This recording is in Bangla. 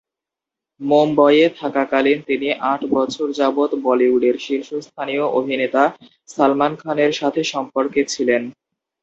মুম্বইয়ে থাকাকালীন তিনি আট বছর যাবত বলিউডের শীর্ষস্থানীয় অভিনেতা সালমান খানের সাথে সম্পর্কে ছিলেন।